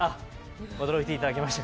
驚いていただけました。